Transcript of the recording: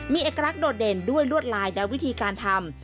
มีเอกลักษณ์โดดเด่นด้วยลวดลายและวิธีการทำ